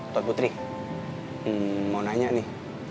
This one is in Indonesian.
pak putri mau nanya nih